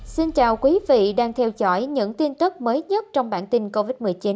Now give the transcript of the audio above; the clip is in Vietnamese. xin chào quý vị đang theo dõi những tin tức mới nhất trong bản tin covid một mươi chín